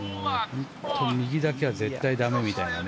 本当に右だけは絶対駄目みたいなね。